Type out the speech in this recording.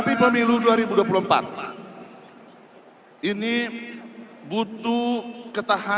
fi dunia hasana